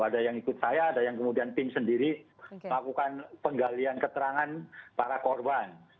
ada yang ikut saya ada yang kemudian tim sendiri melakukan penggalian keterangan para korban